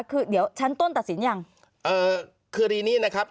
คือเดี๋ยวชั้นต้นตัดสินยังเอ่อคือคดีนี้นะครับ